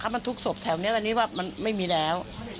บรรทุกศพแถวนี้อันนี้ว่ามันไม่มีแล้ว